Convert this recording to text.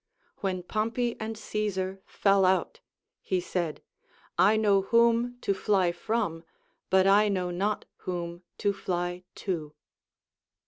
When Pompey and Caesar fell out, he said, I know whom to fly from, but I know not whom to fly to.